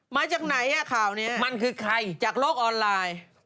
มาจากไหนอ่ะข่าวนี้จากโลกออนไลน์มันคือใคร